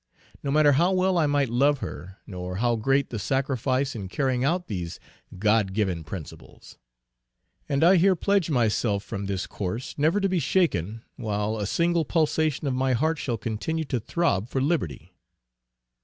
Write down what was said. No matter how well I might love her nor how great the sacrifice in carrying out these God given principles. And I here pledge myself from this course never to be shaken while a single pulsation of my heart shall continue to throb for Liberty."